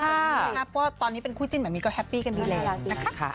เพราะว่าตอนนี้เป็นคู่จิ้นแหมมีก็แฮปปี้กันดีแหละ